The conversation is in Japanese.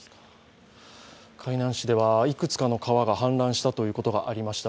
海南市ではいくつかの川が氾濫したということがありました。